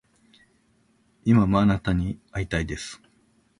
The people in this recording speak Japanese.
今もあなたに逢いたいです